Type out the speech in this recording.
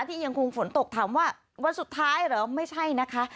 ที่ยังคงฝนตกถามว่าวันสุดท้ายเหรอไม่ใช่นะคะ